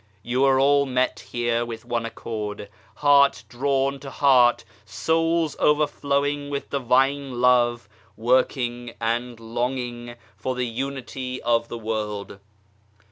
You are all met here with one accord, heart drawn to heart, souls overflowing with Divine Love, working and longing for the Unity of the world.